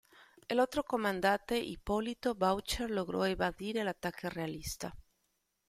El otro comandante, Hipólito Bouchard, logró evadir el ataque realista.